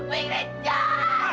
bu ingrid jangan